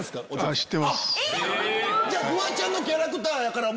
じゃあフワちゃんのキャラクターやから。